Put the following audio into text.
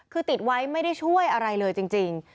คือติดไว้ไม่ได้ช่วยอะไรเลยจริง